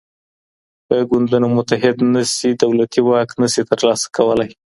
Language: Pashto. که ګوندونه متحد نسي دولتي واک نسي ترلاسه کولای.